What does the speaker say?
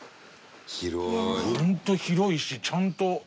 本当広いしちゃんと。